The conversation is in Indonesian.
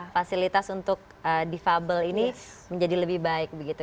fasilitas untuk defable ini menjadi lebih baik begitu